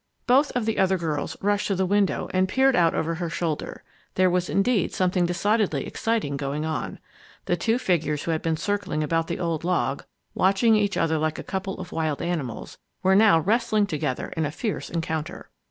Both of the other girls rushed to the window and peered out over her shoulder. There was indeed something decidedly exciting going on. The two figures who had been circling about the old log, watching each other like a couple of wild animals, were now wrestling together in a fierce encounter.